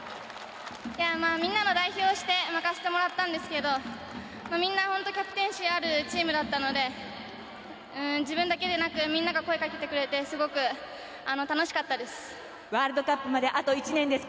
みんなの代表として巻かせてもらったんですけどみんな、本当キャプテンシーのあるチームだったので自分だけじゃなくみんなが声をかけてくれてワールドカップまであと１年です。